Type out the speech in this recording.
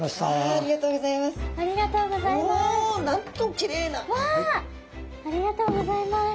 ありがとうございます。